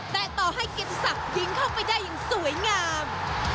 แต่ต่อให้กินศักดิ์ยิงเข้าไปได้อย่างสวยงาม